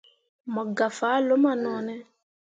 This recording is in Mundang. Mo gah fah luma no ne.